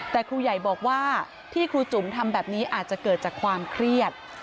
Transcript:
แต่ครูใหญ่บอกว่าที่ครูจุ๋มทำแบบนี้อาจจะเกิดจากความเครียด